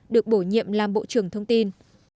được bổ nhiệm làm bộ trưởng thông tin